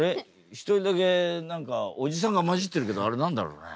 一人だけ何かおじさんが交じってるけどあれ何だろうね？